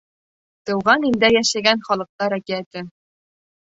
— Тыуған илдә йәшәгән халыҡтар әкиәте.